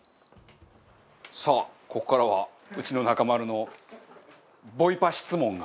さあ、ここからはうちの中丸のボイパ質問が。